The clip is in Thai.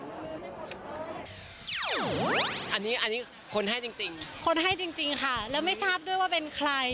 อันนี้อันนี้คนให้จริงคนให้จริงค่ะแล้วไม่ทราบด้วยว่าเป็นใคร